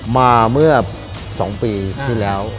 มาเมื่อ๒ปีที่แล้ว